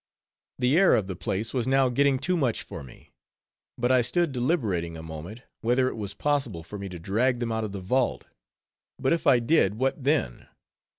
The air of the place was now getting too much for me; but I stood deliberating a moment, whether it was possible for me to drag them out of the vault. But if I did, what then?